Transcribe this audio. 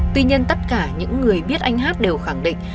tuy nhiên tất cả những người biết anh hát đều khẳng định